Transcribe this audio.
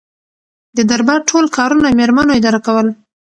د دربار ټول کارونه میرمنو اداره کول.